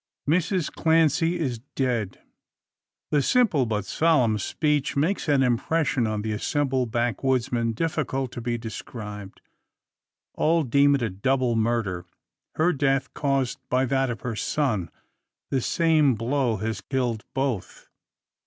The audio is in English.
"Mrs Clancy is dead!" The simple, but solemn speech, makes an impression on the assembled backwoodsmen difficult to be described. All deem it a double murder; her death caused by that of her son. The same blow has killed both.